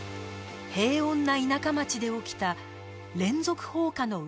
平穏な田舎町で起きた連続放火の疑い